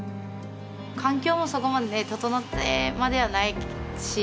環境もそこまでね整ってまではないし。